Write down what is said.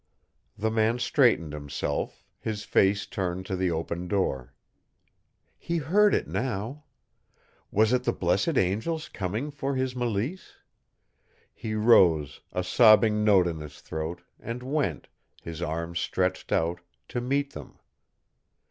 The man straightened himself, his face turned to the open door. He heard it now! Was it the blessed angels coming for his Mélisse? He rose, a sobbing note in his throat, and went, his arms stretched out, to meet them.